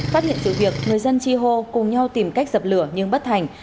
phát hiện sự việc người dân chi hô cùng nhau tìm cách dập lửa nhưng bất thành